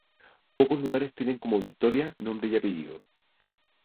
Pocos lugares tienen como Vitoria nombre y apellido.